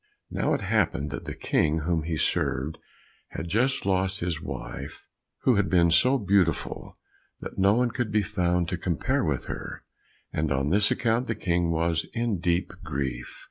Now it happened that the King whom he served, had just lost his wife, who had been so beautiful that no one could be found to compare with her, and on this account the King was in deep grief.